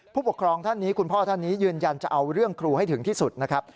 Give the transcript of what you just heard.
ผู้ปกครองท่านนี้คุณพ่อท่านนี้ยืนยันจะเอาเรื่องครูให้ถึงที่สุดนะครับ